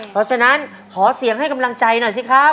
เพราะฉะนั้นขอเสียงให้กำลังใจหน่อยสิครับ